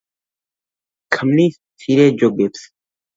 ქმნის მცირე ჯოგებს.